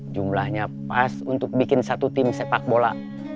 jumlahnya pas untuk bikin satu tim sepak bola